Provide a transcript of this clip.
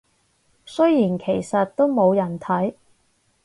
雖然其實都冇人睇